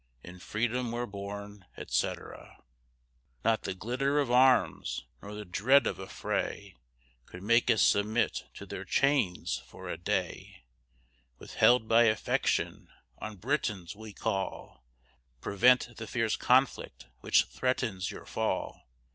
In Freedom we're born, etc. Not the glitter of arms nor the dread of a fray Could make us submit to their chains for a day; Withheld by affection, on Britons we call, Prevent the fierce conflict which threatens your fall.